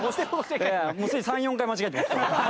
すでに３４回間違えてます。